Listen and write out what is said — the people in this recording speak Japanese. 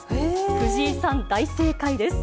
藤井さん、大正解です。